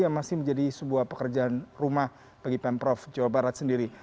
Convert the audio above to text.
yang masih menjadi sebuah pekerjaan rumah bagi pemprov jawa barat sendiri